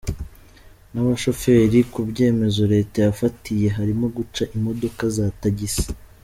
n’abashoferi ku byemezo leta yabafatiye harimo guca imodoka za tagisi